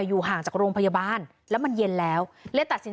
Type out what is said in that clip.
อยู่ห่างจากโรงพยาบาลแล้วมันเย็นแล้วเลยตัดสิน